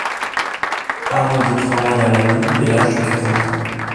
Harold travaille à la mine dès l'âge de quatorze ans.